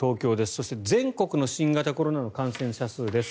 そして全国の新型コロナの感染者数です。